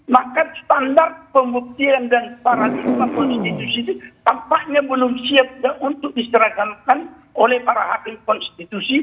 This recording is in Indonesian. maka standar pembuktian dan paradigma konstitusi itu tampaknya belum siap untuk diseragamkan oleh para hakim konstitusi